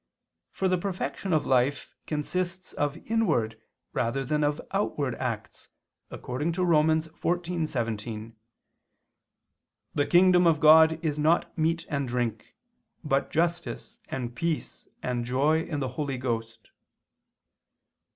For the perfection of life consists of inward rather than of outward acts, according to Rom. 14:17, "The Kingdom of God is not meat and drink, but justice and peace and joy in the Holy Ghost."